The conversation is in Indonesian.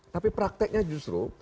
tapi prakteknya justru